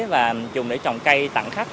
và dùng để trồng cây tặng khách